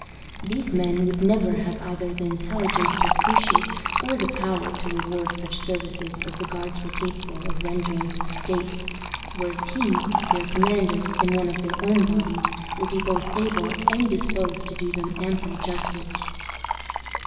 These men would never have either the intelligence to appreciate or the power to reward such services as the Guards were capable of rendering to the state; whereas he, their commander, and one of their own body, would be both able and disposed to do them ample justice.